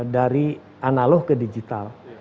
dari analog ke digital